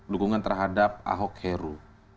dukungan terhadap ahok heru